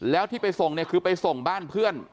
แล้วที่ไปส่งเนี่ยคือไปส่งบ้านเพื่อน